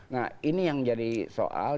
nah ini yang jadi soal